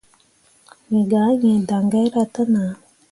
Me gah ĩĩ daŋgaira te nah.